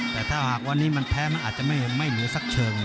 แต่ถ้าหากวันนี้มันแพ้มันอาจจะไม่เหลือสักเชิง